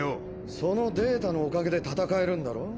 そのデータのおかげで戦えるんだろ？